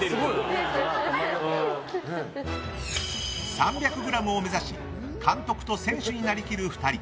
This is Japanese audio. ３００ｇを目指し監督と選手になりきる２人。